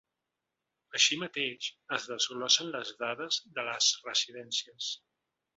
Així mateix, es desglossen les dades de les residències.